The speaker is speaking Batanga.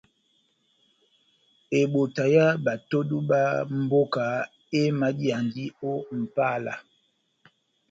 Ebota yá batodu bá mboka emadiyandi ó Mʼpala.